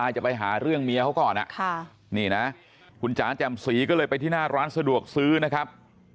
จะไปหาเรื่องเมียเขาก่อนนี่นะคุณจ๋าแจ่มสีก็เลยไปที่หน้าร้านสะดวกซื้อนะครับ